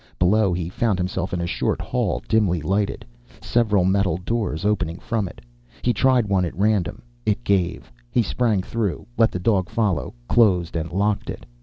Below, he found himself in a short hall, dimly lighted. Several metal doors opened from it. He tried one at random. It gave. He sprang through, let the dog follow, closed and locked it.